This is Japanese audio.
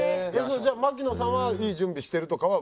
じゃあ槙野さんは良い準備してるとかは言う。